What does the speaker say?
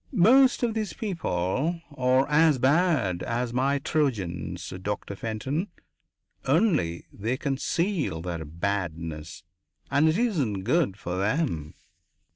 "Most of these people are as bad as my Trojans, Doctor Fenton. Only they conceal their badness, and it isn't good for them."